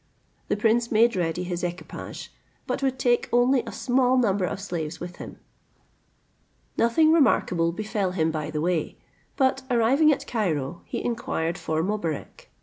The prince made ready his equipage, but would take only a small number of slaves with him. Nothing remarkable befell him by the way, but arriving at Cairo, he inquired for Mobarec.